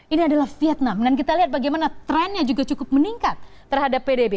ini adalah vietnam dan kita lihat bagaimana trennya juga cukup meningkat terhadap pdb